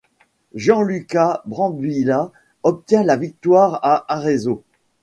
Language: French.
Gianluca Brambilla obtient la victoire à Arezzo.